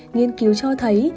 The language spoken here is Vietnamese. nghiên cứu cho thấy